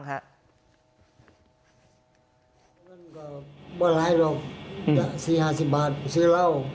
บ่นไหล่เราสี่ห้าสิบบาทซื้อเหล้า